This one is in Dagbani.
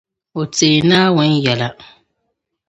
O teei Naawuni yɛla.